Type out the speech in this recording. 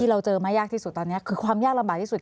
เราเจอมายากที่สุดตอนนี้คือความยากลำบากที่สุด